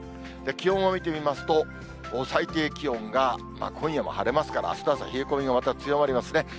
気温を見てみますと、最低気温が今夜も晴れますから、あしたの朝、冷え込みがまた強まりますね。